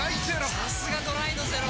さすがドライのゼロ！